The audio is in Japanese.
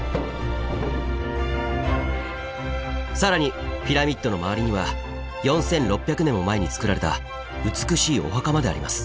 更にピラミッドの周りには４６００年も前につくられた美しいお墓まであります。